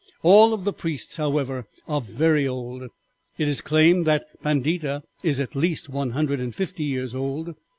All of the priests, however, are very old. It is claimed the Pandita is at least one hundred and fifty years old.